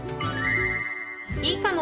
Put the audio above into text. いいかも！